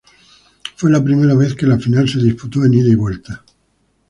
Fue la primera vez que la final se disputó en ida y vuelta.